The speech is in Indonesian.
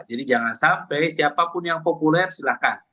jadi jangan sampai siapapun yang populer silahkan